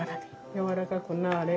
やわらかくなれ。